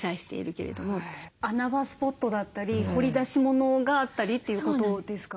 穴場スポットだったり掘り出し物があったりということですか？